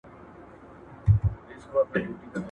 اوښ په خپلو بولو کي گوډېږي.